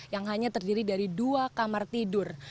yang hanya terdiri dari dua kamar tidur